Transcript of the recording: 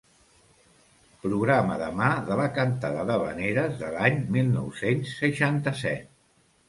Programa de mà de la Cantada d'Havaneres de l'any mil nou-cents seixanta-set.